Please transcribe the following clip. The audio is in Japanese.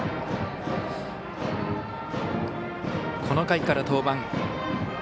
この回から登板。